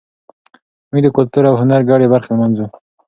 موږ د کلتور او هنر ګډې برخې لمانځو.